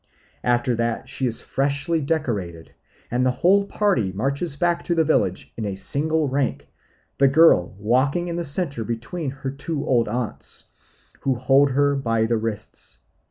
After that she is freshly decorated, and the whole party marches back to the village in a single rank, the girl walking in the centre between her two old aunts, who hold her by the wrists.